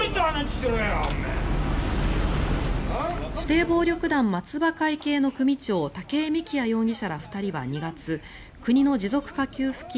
指定暴力団松葉会系の組長武井美喜也容疑者ら２人は２月国の持続化給付金